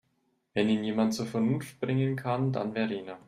Wenn ihn jemand zur Vernunft bringen kann, dann Verena.